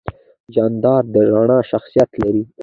جانداد د رڼا شخصیت لري.